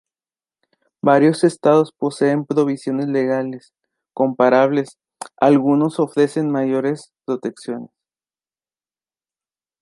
Varios estados poseen provisiones legales comparables; algunos ofrecen mayores protecciones.